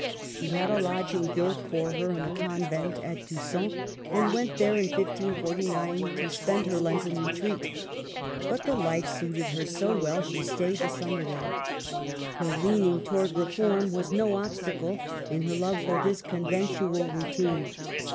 She had a lodging built for her in the convent THE END. 309 at Tusson, and went there in 1549 to spend her Lent in retreat; but the hfe suited her so well, she stayed the summer there. Her leaning towards reform was no obstacle in her love for this conventual routine.